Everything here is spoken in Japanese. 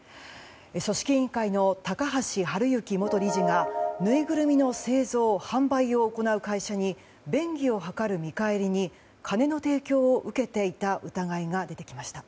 組織委員会の高橋治之元理事がぬいぐるみの製造・販売を行う会社に便宜を図る見返りに金の提供を受けていた疑いが出てきました。